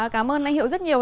cảm ơn anh hiểu rất nhiều